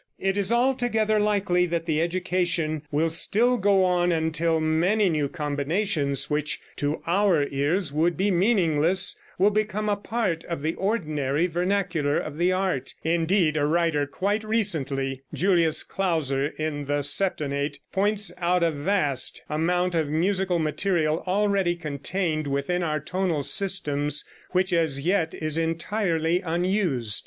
It is altogether likely that the education will still go on until many new combinations which to our ears would be meaningless will become a part of the ordinary vernacular of the art. Indeed, a writer quite recently (Julius Klauser, in "The Septonnate") points out a vast amount of musical material already contained within our tonal systems which as yet is entirely unused.